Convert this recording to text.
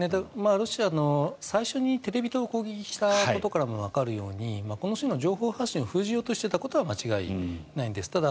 ロシアの最初にテレビ塔を攻撃したことからもわかるようにこの種の情報発信を封じようとしていたことは間違いないんです。